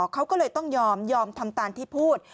เขาก็เลยต้องยอมยอมทำตามที่พูด